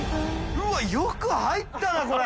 うわっよく入ったなこれ。